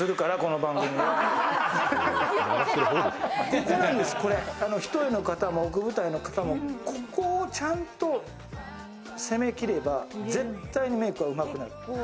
ここなんです、一重の方も奥二重の方もここをちゃんと攻めきれば絶対にメークはうまくなる。